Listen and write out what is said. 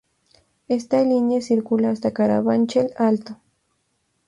Esta línea circula hasta Carabanchel Alto.